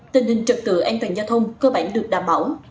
tình hình trật tự an toàn giao thông cơ bản được đảm bảo